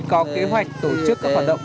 có kế hoạch tổ chức các hoạt động